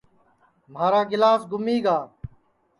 مھارا گِلاس گُمی گا